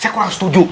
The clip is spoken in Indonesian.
saya kurang setuju